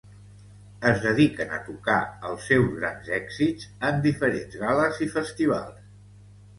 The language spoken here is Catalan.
Es dediquen a tocar els seus grans èxits en diferents gal·les i festivals.